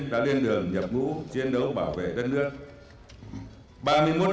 đã lên đường nhập ngũ chiến đấu bảo vệ đất nước